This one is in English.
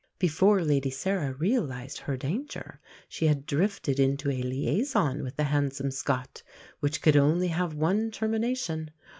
Before Lady Sarah realised her danger, she had drifted into a liaison with the handsome Scot, which could only have one termination.